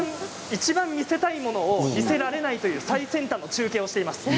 いちばん見せたいものを見せられないという最先端の中継をしています。